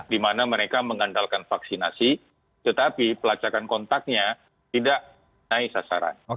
di mana mereka mengandalkan vaksinasi tetapi pelacakan kontaknya tidak naik sasaran